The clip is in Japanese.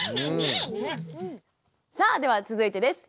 さあでは続いてです。